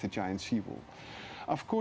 dengan panggung laut besar